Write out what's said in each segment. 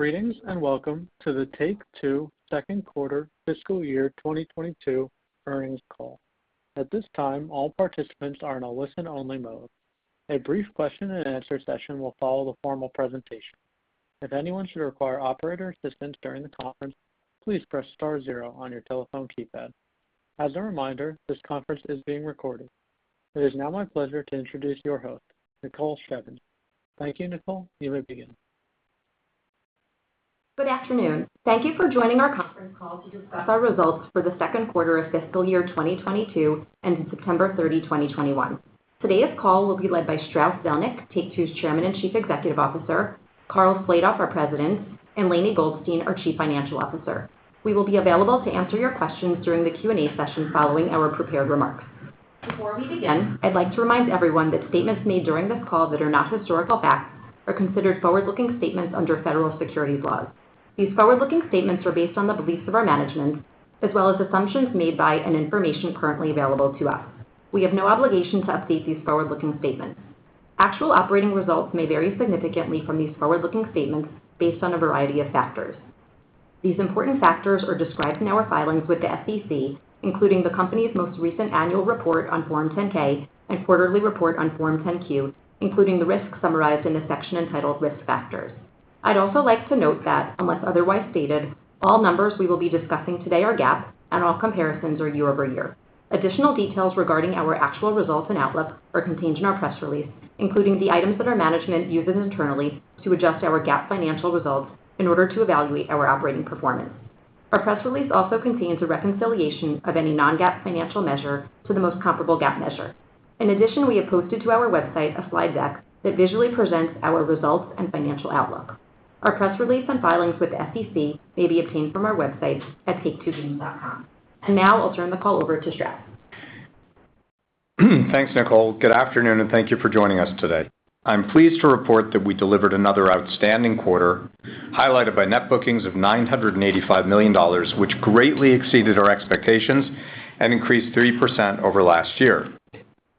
Greetings, and welcome to the Take-Two second quarter fiscal year 2022 earnings call. At this time, all participants are in a listen-only mode. A brief question and answer session will follow the formal presentation. If anyone should require operator assistance during the conference, please press star zero on your telephone keypad. As a reminder, this conference is being recorded. It is now my pleasure to introduce your host, Nicole Shevins. Thank you, Nicole. You may begin. Good afternoon. Thank you for joining our conference call to discuss our results for the second quarter of fiscal year 2022 ending September 30, 2021. Today's call will be led by Strauss Zelnick, Take-Two's Chairman and Chief Executive Officer, Karl Slatoff, our President, and Lainie Goldstein, our Chief Financial Officer. We will be available to answer your questions during the Q&A session following our prepared remarks. Before we begin, I'd like to remind everyone that statements made during this call that are not historical facts are considered forward-looking statements under federal securities laws. These forward-looking statements are based on the beliefs of our management as well as assumptions made by and information currently available to us. We have no obligation to update these forward-looking statements. Actual operating results may vary significantly from these forward-looking statements based on a variety of factors. These important factors are described in our filings with the SEC, including the company's most recent annual report on Form 10-K and quarterly report on Form 10-Q, including the risks summarized in the section entitled Risk Factors. I'd also like to note that unless otherwise stated, all numbers we will be discussing today are GAAP and all comparisons are year-over-year. Additional details regarding our actual results and outlook are contained in our press release, including the items that our management uses internally to adjust our GAAP financial results in order to evaluate our operating performance. Our press release also contains a reconciliation of any non-GAAP financial measure to the most comparable GAAP measure. In addition, we have posted to our website a slide deck that visually presents our results and financial outlook. Our press release and filings with the SEC may be obtained from our website at take2games.com. Now I'll turn the call over to Strauss. Thanks, Nicole. Good afternoon, and thank you for joining us today. I'm pleased to report that we delivered another outstanding quarter highlighted by net bookings of $985 million, which greatly exceeded our expectations and increased 3% over last year.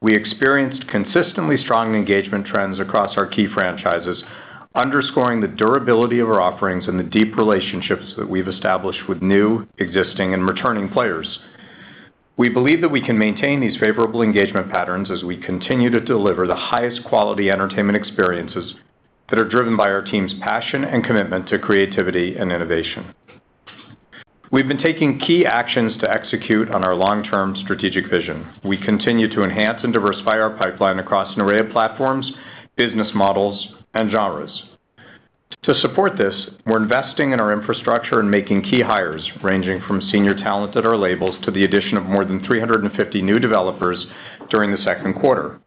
We experienced consistently strong engagement trends across our key franchises, underscoring the durability of our offerings and the deep relationships that we've established with new, existing, and returning players. We believe that we can maintain these favorable engagement patterns as we continue to deliver the highest quality entertainment experiences that are driven by our team's passion and commitment to creativity and innovation. We've been taking key actions to execute on our long-term strategic vision. We continue to enhance and diversify our pipeline across an array of platforms, business models, and genres. To support this, we're investing in our infrastructure and making key hires, ranging from senior talent at our labels to the addition of more than 350 new developers during the second quarter.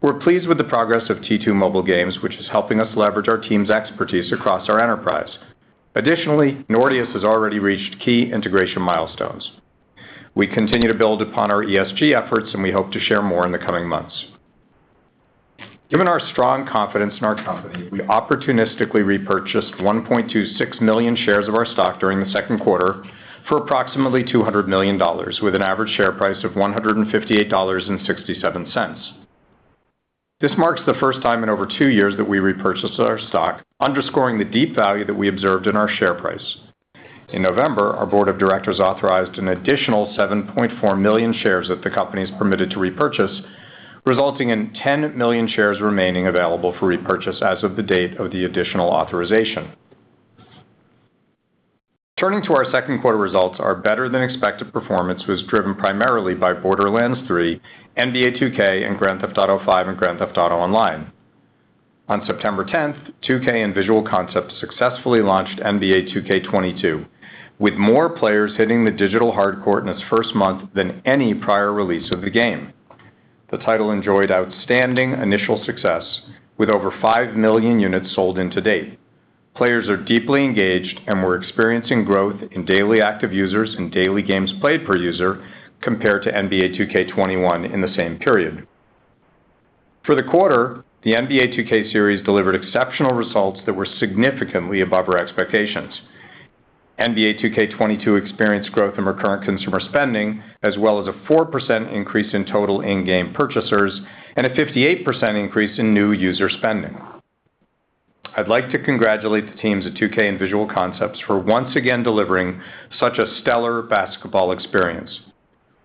We're pleased with the progress of T2 Mobile Games, which is helping us leverage our team's expertise across our enterprise. Additionally, Nordeus has already reached key integration milestones. We continue to build upon our ESG efforts, and we hope to share more in the coming months. Given our strong confidence in our company, we opportunistically repurchased 1.26 million shares of our stock during the second quarter for approximately $200 million, with an average share price of $158.67. This marks the first time in over two years that we repurchased our stock, underscoring the deep value that we observed in our share price. In November, our Board of Directors authorized an additional 7.4 million shares that the company is permitted to repurchase, resulting in 10 million shares remaining available for repurchase as of the date of the additional authorization. Turning to our second quarter results, our better-than-expected performance was driven primarily by Borderlands 3, NBA 2K, and Grand Theft Auto V, and Grand Theft Auto Online. On September 10th, 2K and Visual Concepts successfully launched NBA 2K22, with more players hitting the digital hard court in its first month than any prior release of the game. The title enjoyed outstanding initial success with over 5 million units sold to date. Players are deeply engaged, and we're experiencing growth in daily active users and daily games played per user compared to NBA 2K21 in the same period. For the quarter, the NBA 2K series delivered exceptional results that were significantly above our expectations. NBA 2K22 experienced growth in recurrent consumer spending as well as a 4% increase in total in-game purchasers and a 58% increase in new user spending. I'd like to congratulate the teams at 2K and Visual Concepts for once again delivering such a stellar basketball experience.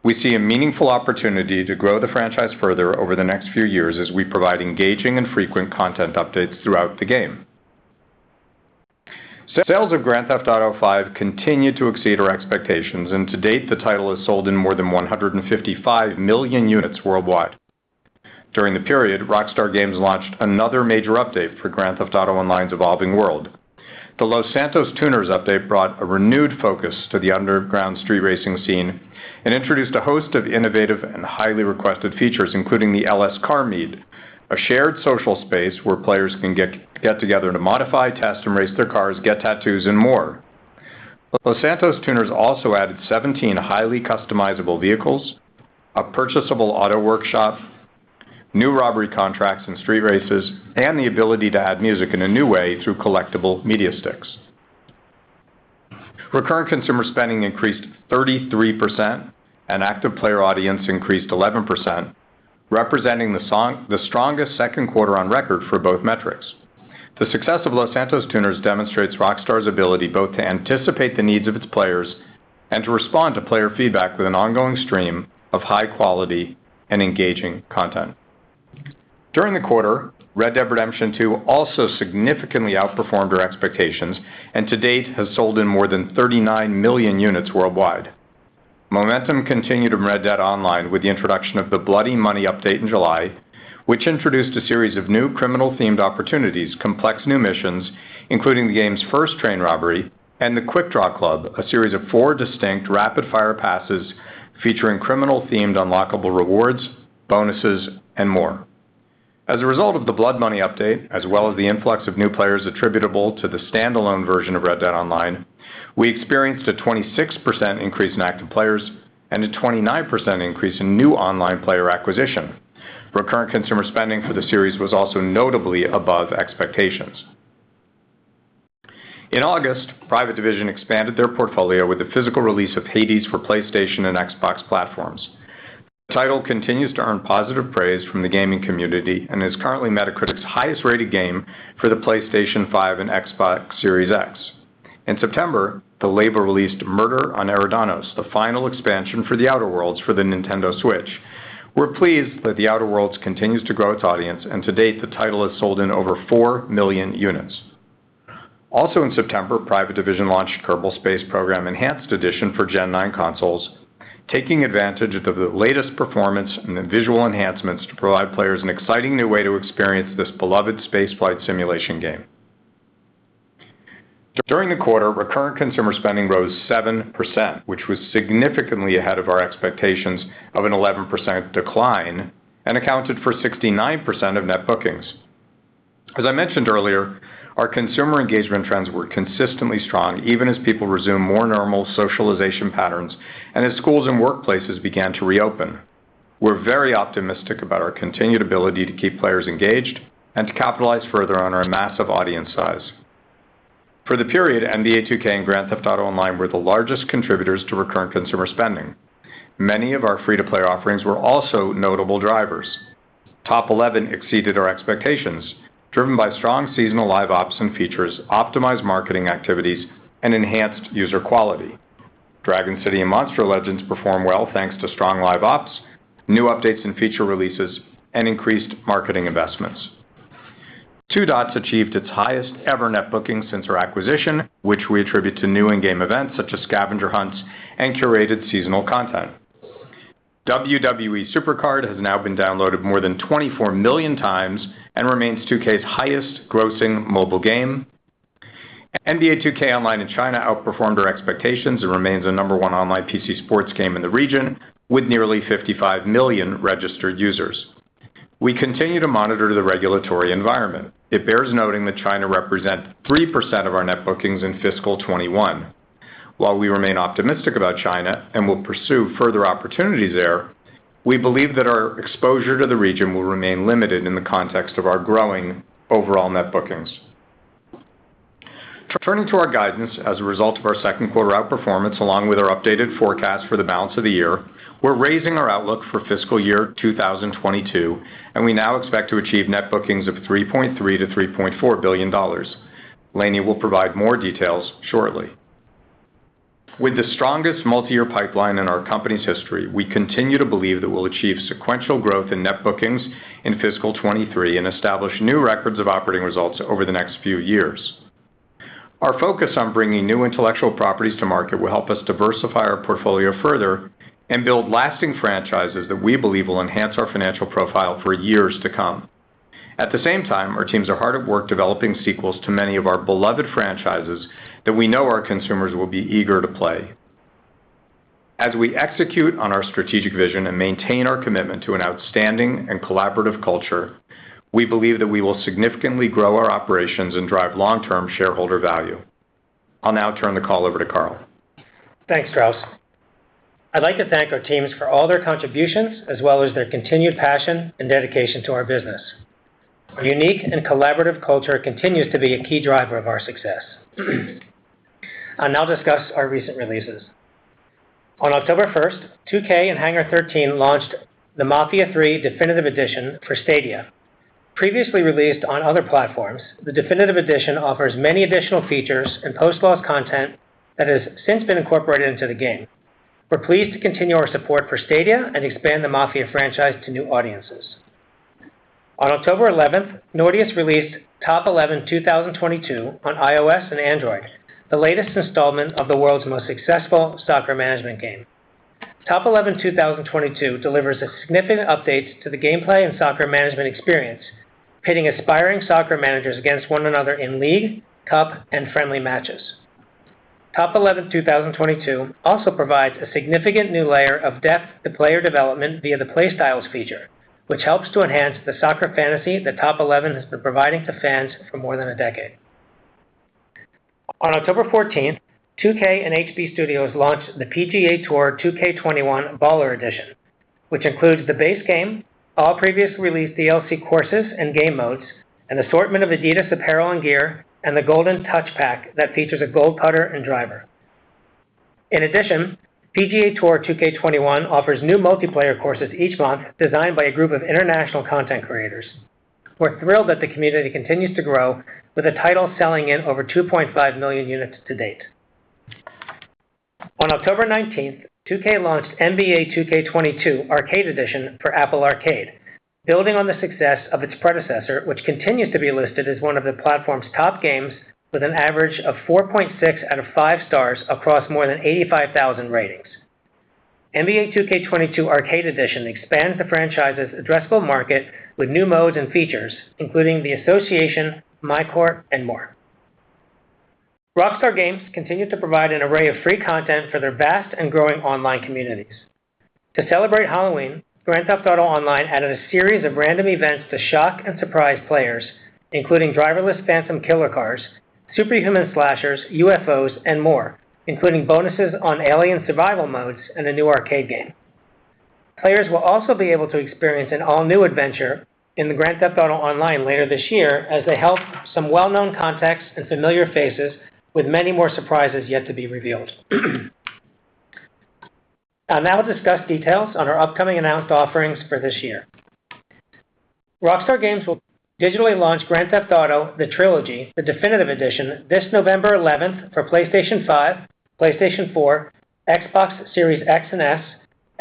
We see a meaningful opportunity to grow the franchise further over the next few years as we provide engaging and frequent content updates throughout the game. Sales of Grand Theft Auto V continue to exceed our expectations, and to date, the title has sold in more than 155 million units worldwide. During the period, Rockstar Games launched another major update for Grand Theft Auto Online's evolving world. The Los Santos Tuners update brought a renewed focus to the underground street racing scene and introduced a host of innovative and highly requested features, including the LS Car Meet, a shared social space where players can get together to modify, test, and race their cars, get tattoos, and more. The Los Santos Tuners also added 17 highly customizable vehicles, a purchasable auto workshop, new robbery contracts and street races, and the ability to add music in a new way through collectible media sticks. Recurrent consumer spending increased 33% and active player audience increased 11%, representing the strongest second quarter on record for both metrics. The success of Los Santos Tuners demonstrates Rockstar's ability both to anticipate the needs of its players and to respond to player feedback with an ongoing stream of high quality and engaging content. During the quarter, Red Dead Redemption 2 also significantly outperformed our expectations and to date has sold in more than 39 million units worldwide. Momentum continued in Red Dead Online with the introduction of the Blood Money update in July, which introduced a series of new criminal-themed opportunities, complex new missions, including the game's first train robbery and the Quick Draw Club, a series of four distinct rapid-fire passes featuring criminal-themed unlockable rewards, bonuses, and more. As a result of the Blood Money update, as well as the influx of new players attributable to the standalone version of Red Dead Online, we experienced a 26% increase in active players and a 29% increase in new online player acquisition. Recurrent consumer spending for the series was also notably above expectations. In August, Private Division expanded their portfolio with the physical release of Hades for PlayStation and Xbox platforms. The title continues to earn positive praise from the gaming community and is currently Metacritic's highest rated game for the PlayStation 5 and Xbox Series X. In September, the label released Murder on Eridanos, the final expansion for The Outer Worlds for the Nintendo Switch. We're pleased that The Outer Worlds continues to grow its audience, and to date, the title has sold in over 4 million units. Also in September, Private Division launched Kerbal Space Program Enhanced Edition for Gen 9 consoles, taking advantage of the latest performance and the visual enhancements to provide players an exciting new way to experience this beloved space flight simulation game. During the quarter, recurrent consumer spending rose 7%, which was significantly ahead of our expectations of an 11% decline and accounted for 69% of net bookings. As I mentioned earlier, our consumer engagement trends were consistently strong, even as people resumed more normal socialization patterns and as schools and workplaces began to reopen. We're very optimistic about our continued ability to keep players engaged and to capitalize further on our massive audience size. For the period, NBA 2K and Grand Theft Auto Online were the largest contributors to recurrent consumer spending. Many of our free to play offerings were also notable drivers. Top Eleven exceeded our expectations, driven by strong seasonal live ops and features, optimized marketing activities, and enhanced user quality. Dragon City and Monster Legends performed well thanks to strong live ops, new updates and feature releases, and increased marketing investments. Two Dots achieved its highest ever net bookings since our acquisition, which we attribute to new in-game events such as scavenger hunts and curated seasonal content. WWE SuperCard has now been downloaded more than 24 million times and remains 2K's highest grossing mobile game. NBA 2K Online in China outperformed our expectations and remains the number one online PC sports game in the region with nearly 55 million registered users. We continue to monitor the regulatory environment. It bears noting that China represents 3% of our net bookings in fiscal 2021. While we remain optimistic about China and will pursue further opportunities there, we believe that our exposure to the region will remain limited in the context of our growing overall net bookings. Turning to our guidance as a result of our second quarter outperformance, along with our updated forecast for the balance of the year, we're raising our outlook for fiscal year 2022, and we now expect to achieve net bookings of $3.3 billion-$3.4 billion. Lainie will provide more details shortly. With the strongest multi-year pipeline in our company's history, we continue to believe that we'll achieve sequential growth in net bookings in fiscal 2023 and establish new records of operating results over the next few years. Our focus on bringing new intellectual properties to market will help us diversify our portfolio further and build lasting franchises that we believe will enhance our financial profile for years to come. At the same time, our teams are hard at work developing sequels to many of our beloved franchises that we know our consumers will be eager to play. As we execute on our strategic vision and maintain our commitment to an outstanding and collaborative culture, we believe that we will significantly grow our operations and drive long-term shareholder value. I'll now turn the call over to Karl. Thanks, Strauss. I'd like to thank our teams for all their contributions as well as their continued passion and dedication to our business. Our unique and collaborative culture continues to be a key driver of our success. I'll now discuss our recent releases. On October 1st, 2K and Hangar 13 launched the Mafia III: Definitive Edition for Stadia. Previously released on other platforms, the Definitive Edition offers many additional features and post-launch content that has since been incorporated into the game. We're pleased to continue our support for Stadia and expand the Mafia franchise to new audiences. On October 11th, Nordeus released Top Eleven 2022 on iOS and Android, the latest installment of the world's most successful soccer management game. Top Eleven 2022 delivers a significant update to the gameplay and soccer management experience, pitting aspiring soccer managers against one another in league, cup, and friendly matches. Top Eleven 2022 also provides a significant new layer of depth to player development via the Play Styles feature, which helps to enhance the soccer fantasy that Top Eleven has been providing to fans for more than a decade. On October 14th, 2K and HB Studios launched the PGA TOUR 2K21 Baller Edition, which includes the base game, all previously released DLC courses and game modes, an assortment of adidas apparel and gear, and the Golden Touch Pack that features a gold putter and driver. In addition, PGA TOUR 2K21 offers new multiplayer courses each month designed by a group of international content creators. We're thrilled that the community continues to grow with the title selling in over 2.5 million units to date. On October 19th, 2K launched NBA 2K22 Arcade Edition for Apple Arcade, building on the success of its predecessor, which continues to be listed as one of the platform's top games with an average of 4.6 out of 5 stars across more than 85,000 ratings. NBA 2K22 Arcade Edition expands the franchise's addressable market with new modes and features, including the association, MyCOURT, and more. Rockstar Games continue to provide an array of free content for their vast and growing online communities. To celebrate Halloween, Grand Theft Auto Online added a series of random events to shock and surprise players, including driverless phantom killer cars, superhuman slashers, UFOs, and more, including bonuses on alien survival modes and a new arcade game. Players will also be able to experience an all-new adventure in Grand Theft Auto Online later this year as they help some well-known contacts and familiar faces with many more surprises yet to be revealed. I'll now discuss details on our upcoming announced offerings for this year. Rockstar Games will digitally launch Grand Theft Auto: The Trilogy – The Definitive Edition this November 11th for PlayStation 5, PlayStation 4, Xbox Series X and Series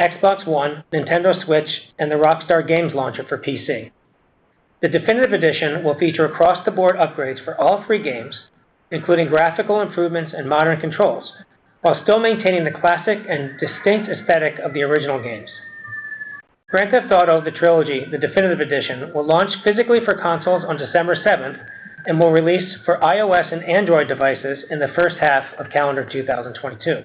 S, Xbox One, Nintendo Switch, and the Rockstar Games Launcher for PC. The Definitive Edition will feature across-the-board upgrades for all three games, including graphical improvements and modern controls, while still maintaining the classic and distinct aesthetic of the original games. Grand Theft Auto: The Trilogy – The Definitive Edition will launch physically for consoles on December 7th and will release for iOS and Android devices in the first half of calendar 2022.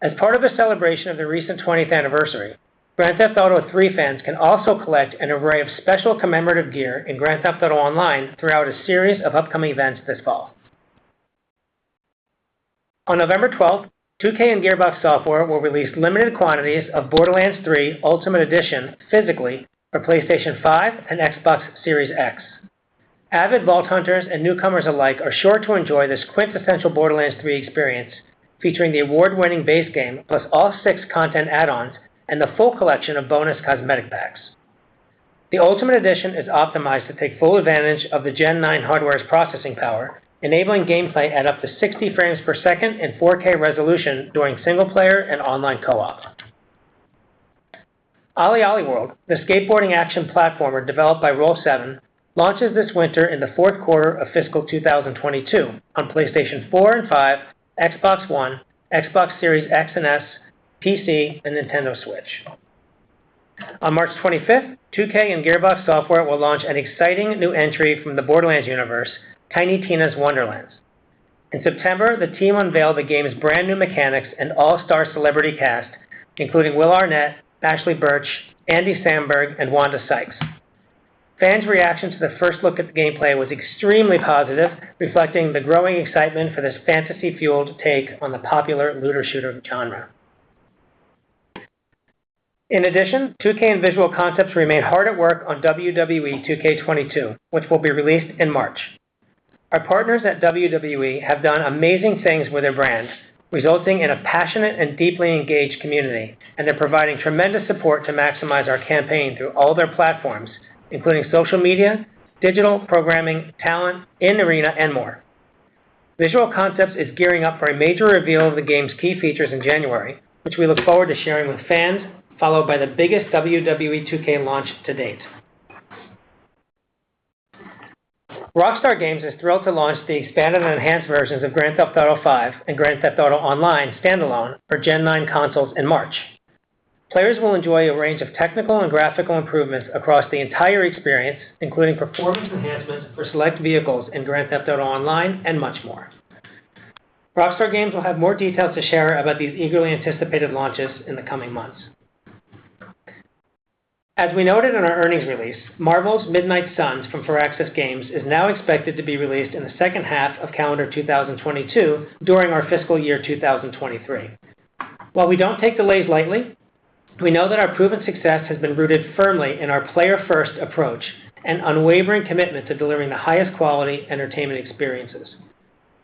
As part of the celebration of the recent 20th anniversary, Grand Theft Auto III fans can also collect an array of special commemorative gear in Grand Theft Auto Online throughout a series of upcoming events this fall. On November 12th, 2K and Gearbox Software will release limited quantities of Borderlands 3 Ultimate Edition physically for PlayStation 5 and Xbox Series X. Avid Vault hunters and newcomers alike are sure to enjoy this quintessential Borderlands 3 experience, featuring the award-winning base game plus all 6 content add-ons and the full collection of bonus cosmetic packs. The Ultimate Edition is optimized to take full advantage of the Gen 9 hardware's processing power, enabling gameplay at up to 60 frames per second and 4K resolution during single player and online co-op. OlliOlli World, the skateboarding action platformer developed by Roll7, launches this winter in the fourth quarter of fiscal 2022 on PlayStation 4 and 5, Xbox One, Xbox Series X and S, PC, and Nintendo Switch. On March 25th, 2K and Gearbox Software will launch an exciting new entry from the Borderlands universe, Tiny Tina's Wonderlands. In September, the team unveiled the game's brand new mechanics and all-star celebrity cast, including Will Arnett, Ashly Burch, Andy Samberg, and Wanda Sykes. Fans' reaction to the first look at the gameplay was extremely positive, reflecting the growing excitement for this fantasy-fueled take on the popular looter shooter genre. In addition, 2K and Visual Concepts remain hard at work on WWE 2K22, which will be released in March. Our partners at WWE have done amazing things with their brands, resulting in a passionate and deeply engaged community, and they're providing tremendous support to maximize our campaign through all their platforms, including social media, digital programming, talent, in-arena, and more. Visual Concepts is gearing up for a major reveal of the game's key features in January, which we look forward to sharing with fans, followed by the biggest WWE 2K launch to date. Rockstar Games is thrilled to launch the expanded and enhanced versions of Grand Theft Auto V and Grand Theft Auto Online standalone for Gen 9 consoles in March. Players will enjoy a range of technical and graphical improvements across the entire experience, including performance enhancements for select vehicles in Grand Theft Auto Online and much more. Rockstar Games will have more details to share about these eagerly anticipated launches in the coming months. As we noted in our earnings release, Marvel's Midnight Suns from Firaxis Games is now expected to be released in the second half of calendar 2022 during our fiscal year 2023. While we don't take delays lightly, we know that our proven success has been rooted firmly in our player-first approach and unwavering commitment to delivering the highest quality entertainment experiences.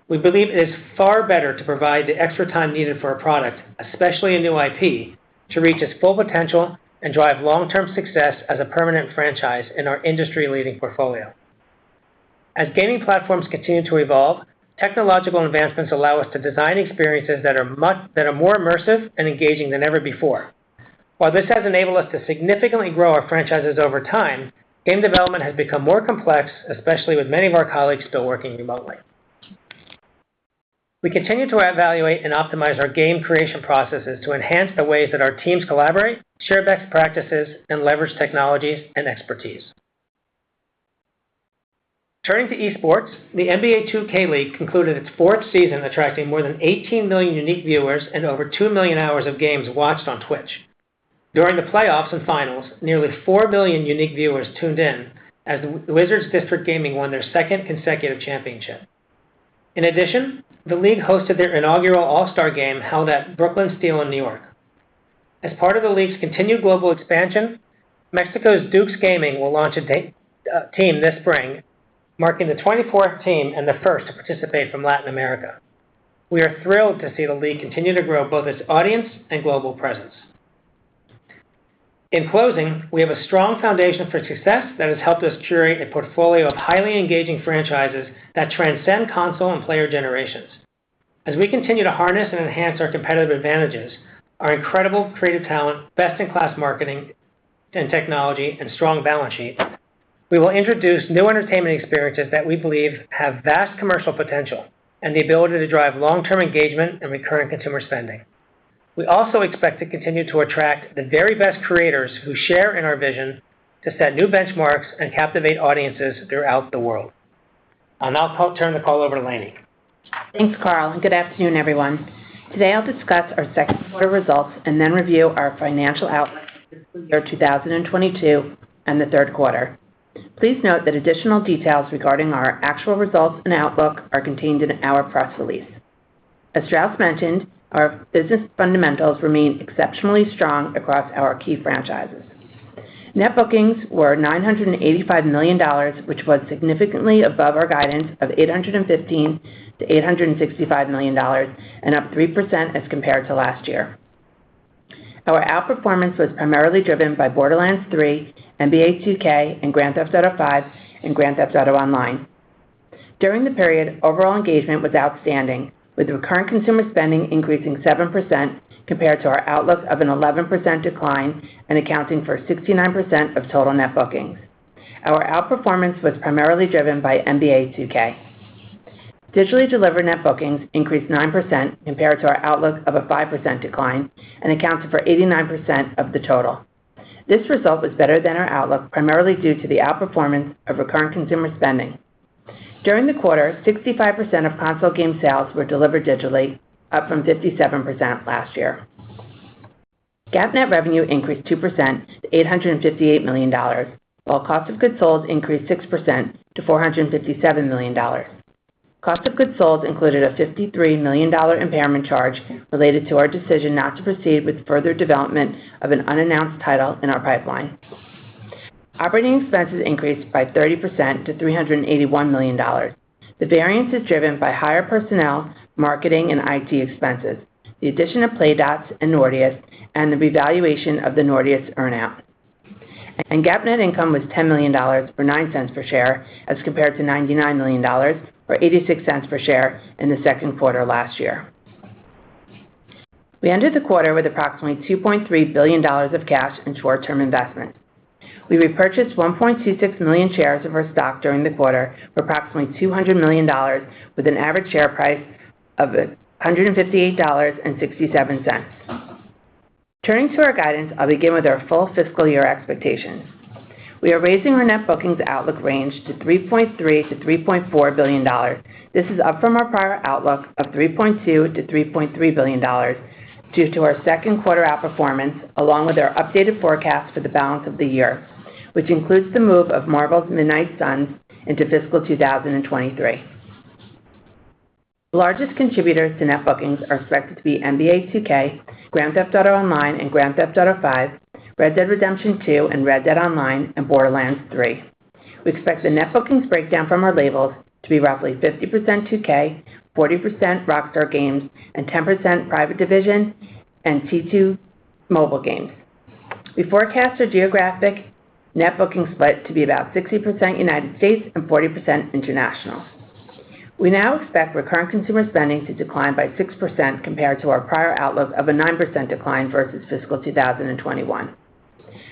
We believe it is far better to provide the extra time needed for a product, especially a new IP, to reach its full potential and drive long-term success as a permanent franchise in our industry-leading portfolio. As gaming platforms continue to evolve, technological advancements allow us to design experiences that are more immersive and engaging than ever before. While this has enabled us to significantly grow our franchises over time, game development has become more complex, especially with many of our colleagues still working remotely. We continue to evaluate and optimize our game creation processes to enhance the ways that our teams collaborate, share best practices, and leverage technologies and expertise. Turning to esports, the NBA 2K League concluded its fourth season, attracting more than 18 million unique viewers and over 2 million hours of games watched on Twitch. During the playoffs and finals, nearly 4 million unique viewers tuned in as the Wizards District Gaming won their second consecutive championship. In addition, the league hosted their inaugural All-Star Game held at Brooklyn Steel in New York. As part of the league's continued global expansion, Mexico's DUX Gaming will launch a team this spring, marking the 24th team and the first to participate from Latin America. We are thrilled to see the league continue to grow both its audience and global presence. In closing, we have a strong foundation for success that has helped us curate a portfolio of highly engaging franchises that transcend console and player generations. As we continue to harness and enhance our competitive advantages, our incredible creative talent, best-in-class marketing and technology and strong balance sheet, we will introduce new entertainment experiences that we believe have vast commercial potential and the ability to drive long-term engagement and recurring consumer spending. We also expect to continue to attract the very best creators who share in our vision to set new benchmarks and captivate audiences throughout the world. I'll now turn the call over to Lainie. Thanks, Karl, and good afternoon, everyone. Today, I'll discuss our second quarter results and then review our financial outlook for fiscal year 2022 and the third quarter. Please note that additional details regarding our actual results and outlook are contained in our press release. As Strauss mentioned, our business fundamentals remain exceptionally strong across our key franchises. Net bookings were $985 million, which was significantly above our guidance of $815 million-$865 million and up 3% as compared to last year. Our outperformance was primarily driven by Borderlands 3, NBA 2K, and Grand Theft Auto V, and Grand Theft Auto Online. During the period, overall engagement was outstanding, with recurrent consumer spending increasing 7% compared to our outlook of an 11% decline and accounting for 69% of total net bookings. Our outperformance was primarily driven by NBA 2K. Digitally delivered net bookings increased 9% compared to our outlook of a 5% decline and accounted for 89% of the total. This result was better than our outlook, primarily due to the outperformance of recurrent consumer spending. During the quarter, 65% of console game sales were delivered digitally, up from 57% last year. GAAP net revenue increased 2% to $858 million, while cost of goods sold increased 6% to $457 million. Cost of goods sold included a $53 million impairment charge related to our decision not to proceed with further development of an unannounced title in our pipeline. Operating expenses increased by 30% to $381 million. The variance is driven by higher personnel, marketing, and IT expenses, the addition of Playdots and Nordeus, and the revaluation of the Nordeus earn-out. GAAP net income was $10 million, or $0.09 per share, as compared to $99 million, or $0.86 per share in the second quarter last year. We ended the quarter with approximately $2.3 billion of cash and short-term investments. We repurchased 1.26 million shares of our stock during the quarter for approximately $200 million, with an average share price of $158.67. Turning to our guidance, I'll begin with our full fiscal year expectations. We are raising our net bookings outlook range to $3.3 billion-$3.4 billion. This is up from our prior outlook of $3.2 billion-$3.3 billion due to our second quarter outperformance, along with our updated forecast for the balance of the year, which includes the move of Marvel's Midnight Suns into fiscal 2023. The largest contributors to net bookings are expected to be NBA 2K, Grand Theft Auto Online, and Grand Theft Auto V, Red Dead Redemption 2 and Red Dead Online, and Borderlands 3. We expect the net bookings breakdown from our labels to be roughly 50% 2K, 40% Rockstar Games, and 10% Private Division and T2 Mobile Games. We forecast our geographic net bookings split to be about 60% United States and 40% international. We now expect recurrent consumer spending to decline by 6% compared to our prior outlook of a 9% decline versus fiscal 2021.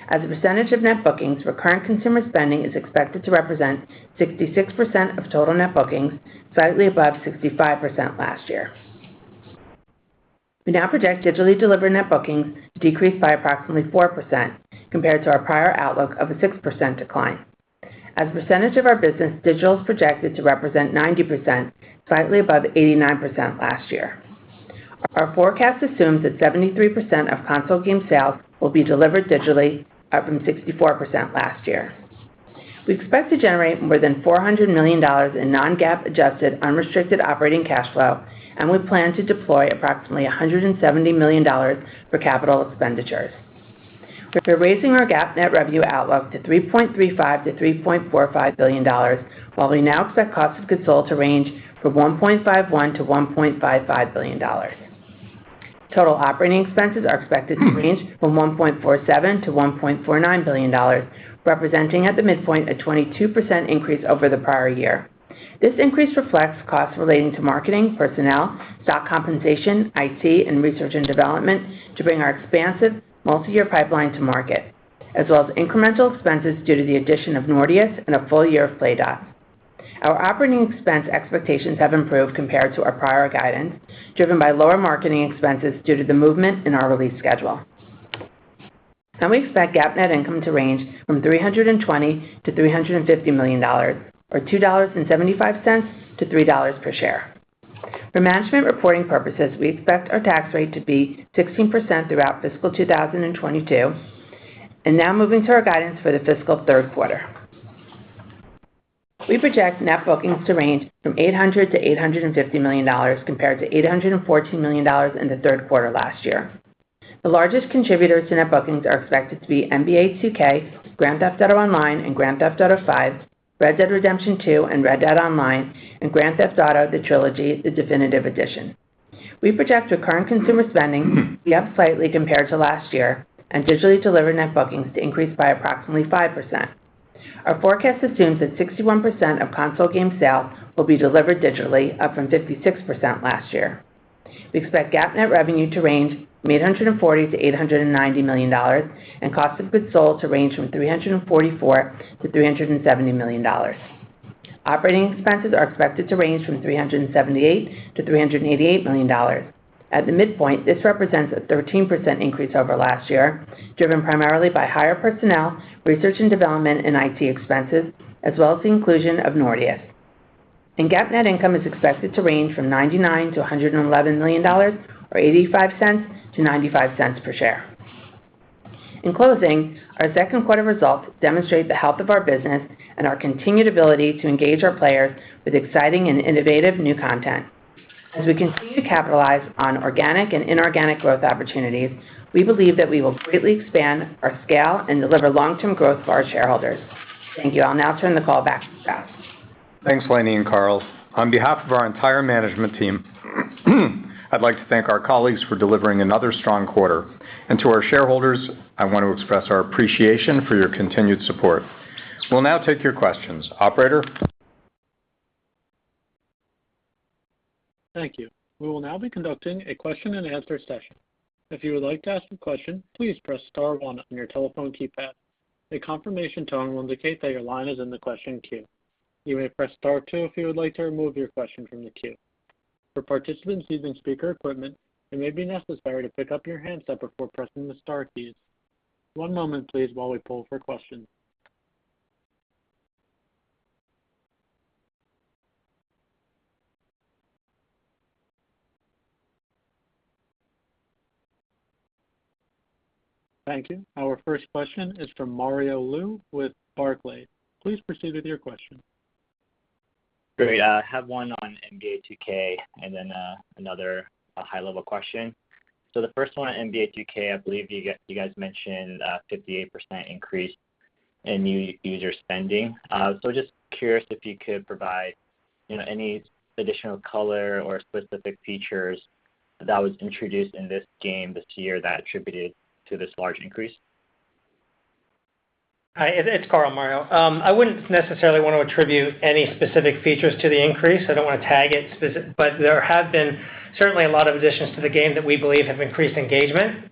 As a percentage of net bookings, recurrent consumer spending is expected to represent 66% of total net bookings, slightly above 65% last year. We now project digitally delivered net bookings to decrease by approximately 4% compared to our prior outlook of a 6% decline. As a percentage of our business, digital is projected to represent 90%, slightly above 89% last year. Our forecast assumes that 73% of console game sales will be delivered digitally, up from 64% last year. We expect to generate more than $400 million in non-GAAP adjusted unrestricted operating cash flow, and we plan to deploy approximately $170 million for capital expenditures. We're raising our GAAP net revenue outlook to $3.35 billion-$3.45 billion, while we now expect cost of goods sold to range from $1.51 billion-$1.55 billion. Total operating expenses are expected to range from $1.47 billion-$1.49 billion, representing, at the midpoint, a 22% increase over the prior year. This increase reflects costs relating to marketing, personnel, stock compensation, IT, and research and development to bring our expansive multi-year pipeline to market, as well as incremental expenses due to the addition of Nordeus and a full year of Playdots. Our operating expense expectations have improved compared to our prior guidance, driven by lower marketing expenses due to the movement in our release schedule. We expect GAAP net income to range from $320 million-$350 million, or $2.75-$3 per share. For management reporting purposes, we expect our tax rate to be 16% throughout fiscal 2022. Now moving to our guidance for the fiscal third quarter. We project net bookings to range from $800 million-$850 million compared to $814 million in the third quarter last year. The largest contributors to net bookings are expected to be NBA 2K, Grand Theft Auto Online, and Grand Theft Auto V, Red Dead Redemption 2 and Red Dead Online, and Grand Theft Auto: The Trilogy - The Definitive Edition. We project our current consumer spending to be up slightly compared to last year and digitally delivered net bookings to increase by approximately 5%. Our forecast assumes that 61% of console game sales will be delivered digitally, up from 56% last year. We expect GAAP net revenue to range from $840 million-$890 million and cost of goods sold to range from $344 million-$370 million. Operating expenses are expected to range from $378 million-$388 million. At the midpoint, this represents a 13% increase over last year, driven primarily by higher personnel, research and development, and IT expenses as well as the inclusion of Nordeus. GAAP net income is expected to range from $99 million-$111 million or $0.85-$0.95 per share. In closing, our second quarter results demonstrate the health of our business and our continued ability to engage our players with exciting and innovative new content. As we continue to capitalize on organic and inorganic growth opportunities, we believe that we will greatly expand our scale and deliver long-term growth for our shareholders. Thank you. I'll now turn the call back to Strauss. Thanks, Lainie and Karl. On behalf of our entire management team, I'd like to thank our colleagues for delivering another strong quarter. To our shareholders, I want to express our appreciation for your continued support. We'll now take your questions. Operator? Thank you. We will now be conducting a question and answer session. If you would like to ask a question, please press star one on your telephone keypad. A confirmation tone will indicate that your line is in the question queue. You may press star two if you would like to remove your question from the queue. For participants using speaker equipment, it may be necessary to pick up your handset before pressing the star keys. One moment, please, while we poll for questions. Thank you. Our first question is from Mario Lu with Barclays. Please proceed with your question. Great. I have one on NBA 2K and then another high-level question. The first one on NBA 2K, I believe you guys mentioned 58% increase in new user spending. Just curious if you could provide, you know, any additional color or specific features that was introduced in this game this year that attributed to this large increase. Hi, it's Karl, Mario. I wouldn't necessarily want to attribute any specific features to the increase. I don't want to tag it but there have been certainly a lot of additions to the game that we believe have increased engagement.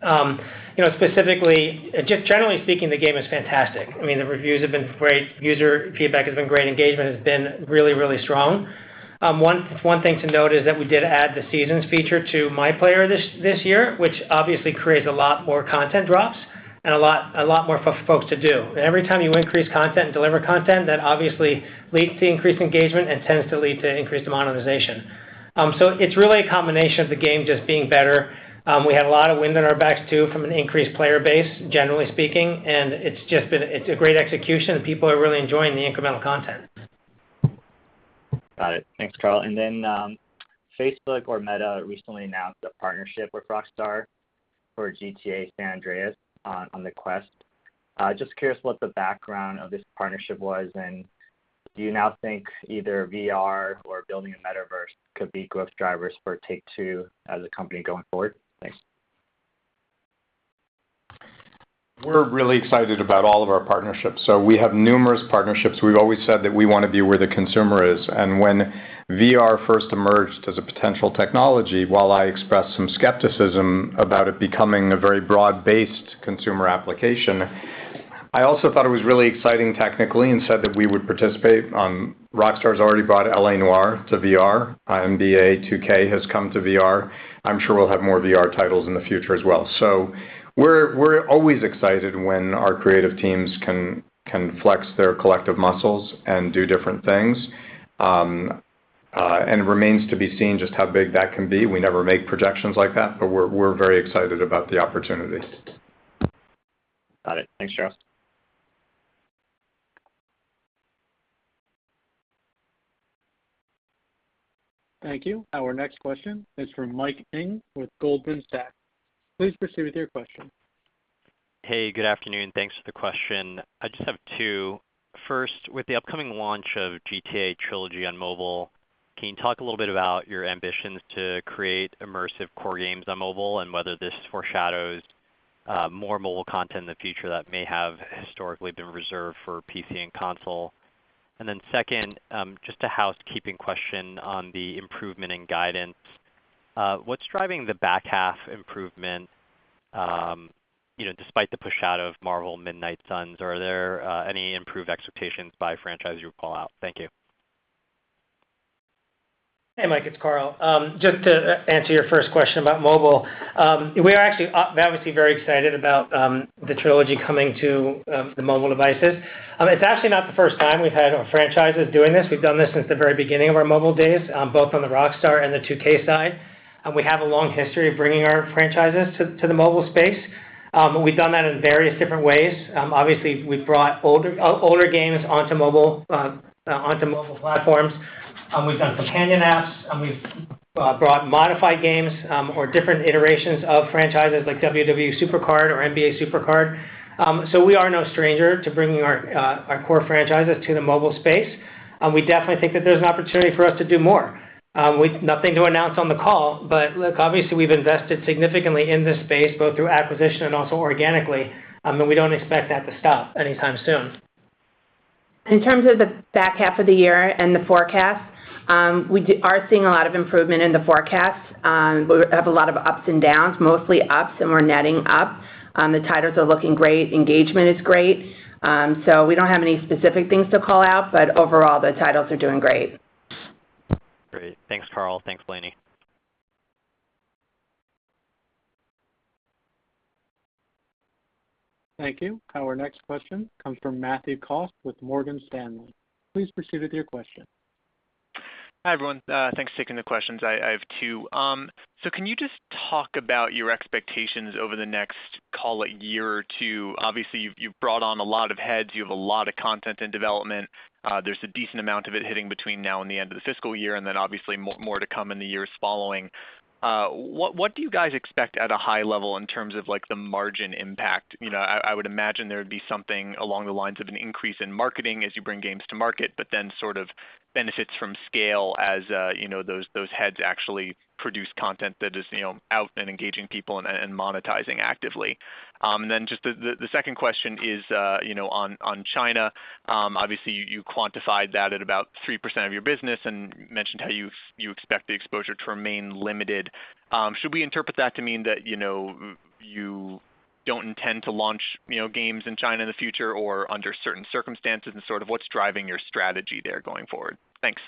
You know, specifically, just generally speaking, the game is fantastic. I mean, the reviews have been great. User feedback has been great. Engagement has been really strong. One thing to note is that we did add the seasons feature to MyPLAYER this year, which obviously creates a lot more content drops and a lot more for folks to do. Every time you increase content and deliver content, that obviously leads to increased engagement and tends to lead to increased monetization. It's really a combination of the game just being better. We have a lot of wind in our backs too from an increased player base, generally speaking, and it's a great execution. People are really enjoying the incremental content. Got it. Thanks, Karl. Facebook or Meta recently announced a partnership with Rockstar for GTA: San Andreas on the Quest. Just curious what the background of this partnership was, and do you now think either VR or building a metaverse could be growth drivers for Take-Two as a company going forward? Thanks. We're really excited about all of our partnerships. We have numerous partnerships. We've always said that we want to be where the consumer is. When VR first emerged as a potential technology, while I expressed some skepticism about it becoming a very broad-based consumer application, I also thought it was really exciting technically and said that we would participate. Rockstar's already brought L.A. Noire to VR. NBA 2K has come to VR. I'm sure we'll have more VR titles in the future as well. We're always excited when our creative teams can flex their collective muscles and do different things. It remains to be seen just how big that can be. We never make projections like that, but we're very excited about the opportunity. Got it. Thanks, Strauss. Thank you. Our next question is from Mike Ng with Goldman Sachs. Please proceed with your question. Hey, good afternoon. Thanks for the question. I just have two. First, with the upcoming launch of GTA Trilogy on mobile, can you talk a little bit about your ambitions to create immersive core games on mobile and whether this foreshadows more mobile content in the future that may have historically been reserved for PC and console? Second, just a housekeeping question on the improvement in guidance. What's driving the back half improvement, you know, despite the push out of Marvel's Midnight Suns? Are there any improved expectations by franchise you would call out? Thank you. Hey, Mike, it's Karl. Just to answer your first question about mobile. We are actually obviously very excited about the Trilogy coming to the mobile devices. I mean, it's actually not the first time we've had a franchise doing this. We've done this since the very beginning of our mobile days, both on the Rockstar and the 2K side. We have a long history of bringing our franchises to the mobile space. We've done that in various different ways. Obviously, we've brought older games onto mobile platforms. We've done companion apps, and we've brought modified games or different iterations of franchises like WWE SuperCard or NBA SuperCard. We are no stranger to bringing our core franchises to the mobile space, and we definitely think that there's an opportunity for us to do more. Nothing to announce on the call, but look, obviously, we've invested significantly in this space both through acquisition and also organically, and we don't expect that to stop anytime soon. In terms of the back half of the year and the forecast, we are seeing a lot of improvement in the forecast. We have a lot of ups and downs, mostly ups, and we're netting up. The titles are looking great. Engagement is great. We don't have any specific things to call out, but overall, the titles are doing great. Great. Thanks, Karl. Thanks, Lainie. Thank you. Our next question comes from Matthew Cost with Morgan Stanley. Please proceed with your question. Hi, everyone. Thanks for taking the questions. I have two. Can you just talk about your expectations over the next, call it, year or two? Obviously, you've brought on a lot of heads. You have a lot of content in development. There's a decent amount of it hitting between now and the end of the fiscal year, and then obviously more to come in the years following. What do you guys expect at a high level in terms of, like, the margin impact? You know, I would imagine there would be something along the lines of an increase in marketing as you bring games to market, but then sort of benefits from scale as, you know, those heads actually produce content that is, you know, out and engaging people and monetizing actively. The second question is, you know, on China. Obviously, you quantified that at about 3% of your business and mentioned how you expect the exposure to remain limited. Should we interpret that to mean that, you know, you don't intend to launch, you know, games in China in the future or under certain circumstances, and sort of what's driving your strategy there going forward? Thanks.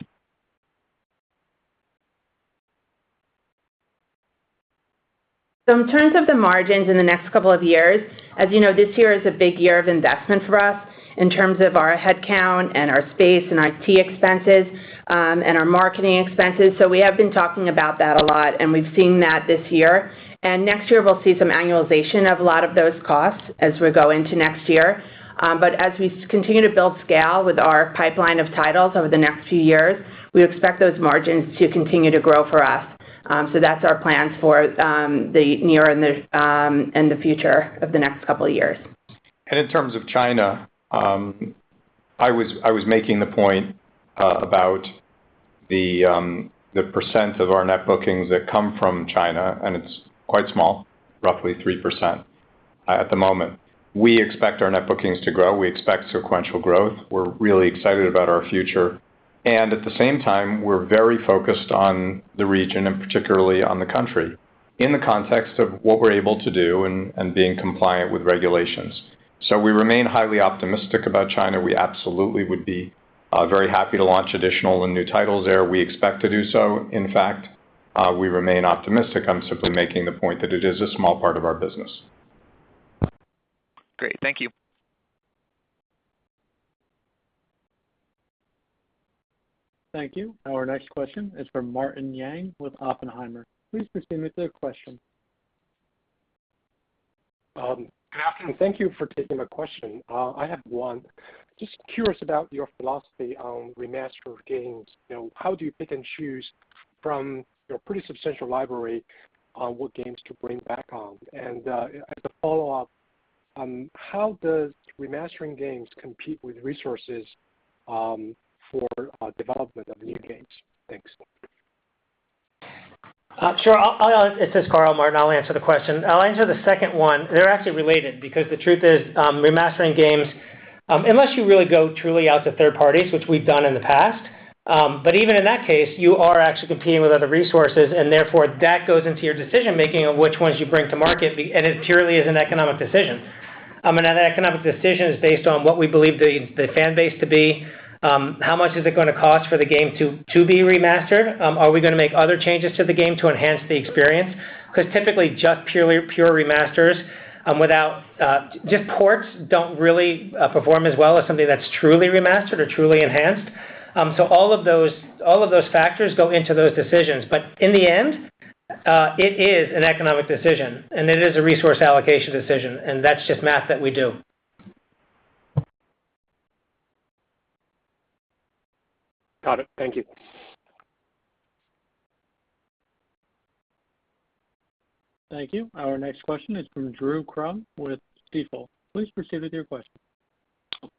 In terms of the margins in the next couple of years, as you know, this year is a big year of investment for us in terms of our headcount and our space and IT expenses, and our marketing expenses. We have been talking about that a lot, and we've seen that this year. Next year, we'll see some annualization of a lot of those costs as we go into next year. As we continue to build scale with our pipeline of titles over the next few years, we expect those margins to continue to grow for us. That's our plans for the near and the future of the next couple of years. In terms of China, I was making the point about the percent of our net bookings that come from China, and it's quite small, roughly 3% at the moment. We expect our net bookings to grow. We expect sequential growth. We're really excited about our future. At the same time, we're very focused on the region and particularly on the country in the context of what we're able to do and being compliant with regulations. We remain highly optimistic about China. We absolutely would be very happy to launch additional and new titles there. We expect to do so. In fact, we remain optimistic. I'm simply making the point that it is a small part of our business. Great. Thank you. Thank you. Our next question is from Martin Yang with Oppenheimer. Please proceed with your question. Good afternoon. Thank you for taking my question. I have one. Just curious about your philosophy on remaster of games. You know, how do you pick and choose from your pretty substantial library on what games to bring back on? As a follow-up, how does remastering games compete with resources for development of new games? Thanks. Sure. I'll answer. It's Karl, Martin. I'll answer the question. I'll answer the second one. They're actually related because the truth is, remastering games, unless you really go truly out to third parties, which we've done in the past. But even in that case, you are actually competing with other resources, and therefore, that goes into your decision-making of which ones you bring to market, and it purely is an economic decision. That economic decision is based on what we believe the fan base to be, how much is it gonna cost for the game to be remastered, are we gonna make other changes to the game to enhance the experience. Because typically, just purely pure remasters without just ports don't really perform as well as something that's truly remastered or truly enhanced. All of those factors go into those decisions. In the end, it is an economic decision, and it is a resource allocation decision, and that's just math that we do. Got it. Thank you. Thank you. Our next question is from Drew Crum with Stifel. Please proceed with your question.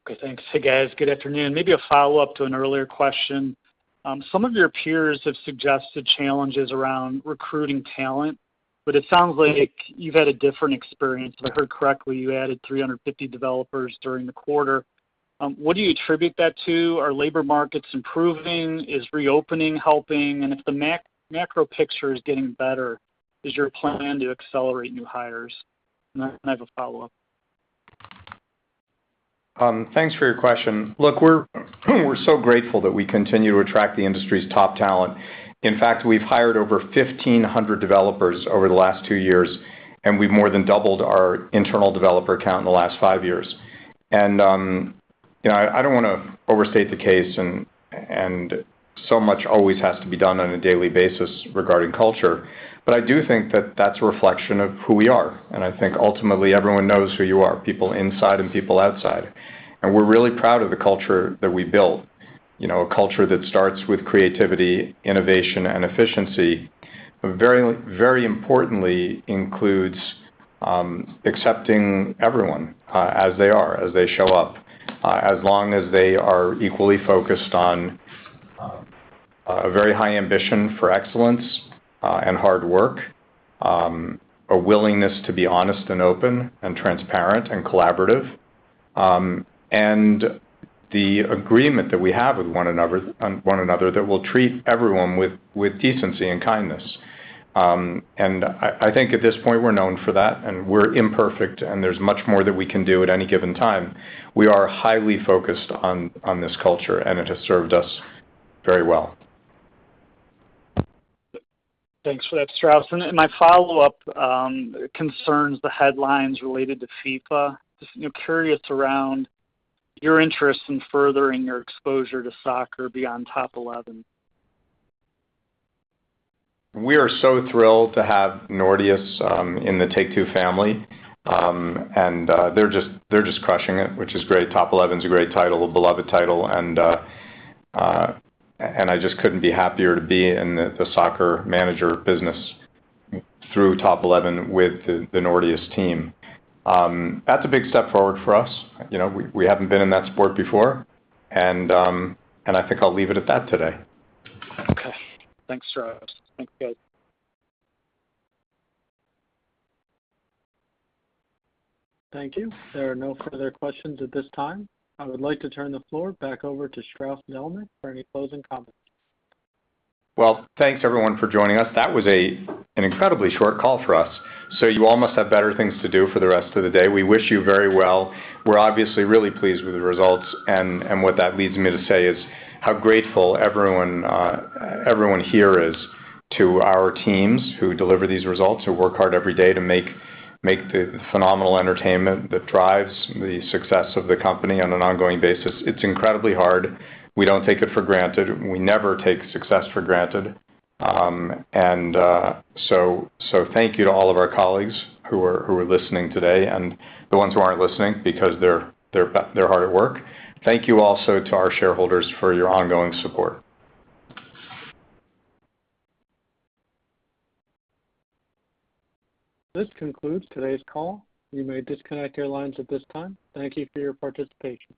Okay, thanks. Hey, guys. Good afternoon. Maybe a follow-up to an earlier question. Some of your peers have suggested challenges around recruiting talent, but it sounds like you've had a different experience. If I heard correctly, you added 350 developers during the quarter. What do you attribute that to? Are labor markets improving? Is reopening helping? And if the macro picture is getting better, is your plan to accelerate new hires? Then I have a follow-up. Thanks for your question. Look, we're so grateful that we continue to attract the industry's top talent. In fact, we've hired over 1,500 developers over the last two years, and we've more than doubled our internal developer count in the last five years. You know, I don't wanna overstate the case and so much always has to be done on a daily basis regarding culture, but I do think that that's a reflection of who we are. I think ultimately everyone knows who you are, people inside and people outside. We're really proud of the culture that we built. You know, a culture that starts with creativity, innovation, and efficiency. Very, very importantly includes accepting everyone as they are, as they show up, as long as they are equally focused on a very high ambition for excellence and hard work, a willingness to be honest and open and transparent and collaborative, and the agreement that we have with one another that we'll treat everyone with decency and kindness. I think at this point we're known for that and we're imperfect, and there's much more that we can do at any given time. We are highly focused on this culture, and it has served us very well. Thanks for that, Strauss. My follow-up concerns the headlines related to FIFA. Just, you know, curious around your interest in furthering your exposure to soccer beyond Top Eleven. We are so thrilled to have Nordeus in the Take-Two family. They're just crushing it, which is great. Top Eleven's a great title, a beloved title, and I just couldn't be happier to be in the soccer manager business through Top Eleven with the Nordeus team. That's a big step forward for us. You know, we haven't been in that sport before, and I think I'll leave it at that today. Okay. Thanks, Strauss. Thanks guys. Thank you. There are no further questions at this time. I would like to turn the floor back over to Strauss Zelnick for any closing comments. Well, thanks everyone for joining us. That was an incredibly short call for us, so you all must have better things to do for the rest of the day. We wish you very well. We're obviously really pleased with the results, and what that leads me to say is how grateful everyone here is to our teams who deliver these results, who work hard every day to make the phenomenal entertainment that drives the success of the company on an ongoing basis. It's incredibly hard. We don't take it for granted. We never take success for granted. Thank you to all of our colleagues who are listening today and the ones who aren't listening because they're hard at work. Thank you also to our shareholders for your ongoing support. This concludes today's call. You may disconnect your lines at this time. Thank you for your participation.